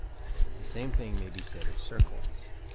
The same thing may be said of "circles."